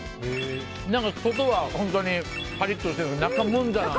何か、外は本当にカリッとしてるけど中はもんじゃ。